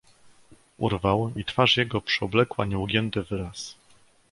"Urwał i twarz jego przyoblekła nieugięty wyraz."